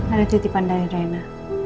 ada titipan dari reina